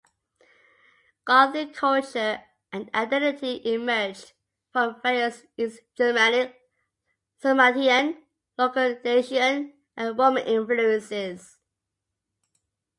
Gothic culture and identity emerged from various East-Germanic, Sarmatian, local Dacian, and Roman influences.